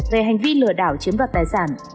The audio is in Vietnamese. về hành vi lừa đảo chiếm đoạt tài sản